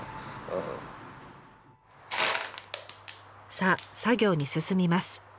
さあ作業に進みます。